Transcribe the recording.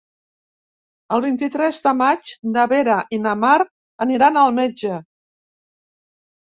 El vint-i-tres de maig na Vera i na Mar aniran al metge.